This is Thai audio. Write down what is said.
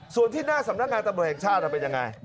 ส่วนที่หน้าสำนักงานตำรวจแห่งชาติเป็นยังไง